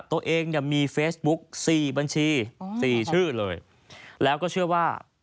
ตัวเองเนี่ยมีเฟซบุ๊กสี่บัญชีสี่ชื่อเลยแล้วก็เชื่อว่า